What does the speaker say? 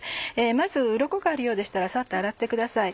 まずウロコがあるようでしたらさっと洗ってください。